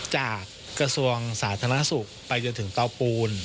กระทรวงสาธารณสุขไปจนถึงเตาปูน